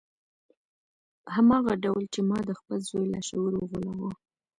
هماغه ډول چې ما د خپل زوی لاشعور وغولاوه